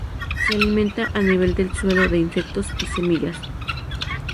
Se alimenta a nivel del suelo de insectos y semillas.